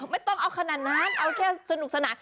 ไม่ต้องเอาขนาดนั้นเอาแค่สนุกสนาน